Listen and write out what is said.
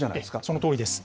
そのとおりです。